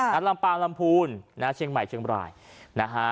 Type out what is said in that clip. อาตรรำปาลำพูนนะเชียงใหม่เชียงปลายนะฮะ